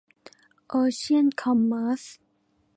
โอเชี่ยน คอมเมิรช